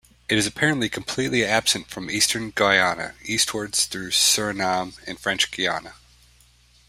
It is apparently completely absent from eastern Guyana eastwards through Suriname and French Guyana.